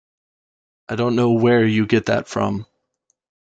I don't know where you get that from.